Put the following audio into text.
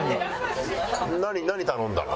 何何頼んだの？